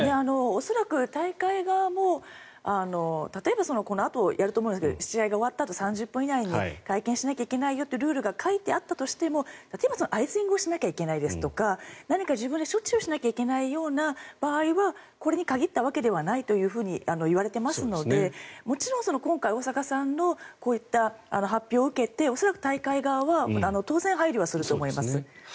恐らく大会側も、例えばこのあとやると思うんですけど試合が終わったあと３０分以内に会見しないといけないよというルールが書いてあったとしてもアイシングをしなきゃいけないですとか何か自分で処置をしなきゃいけない場合はこれに限ったわけではないといわれていますのでもちろん今回大坂さんの発表を受けて恐らく大会側は当然、配慮はすると思います。